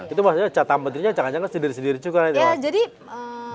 itu maksudnya catametrinya jangan jangan sendiri sendiri juga ya itu kan